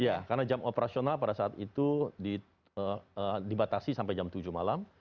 ya karena jam operasional pada saat itu dibatasi sampai jam tujuh malam